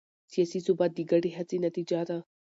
سیاسي ثبات د ګډې هڅې نتیجه ده